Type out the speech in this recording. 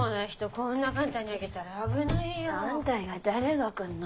こんな簡単に上げたら危ないよ。あんた以外誰が来んの？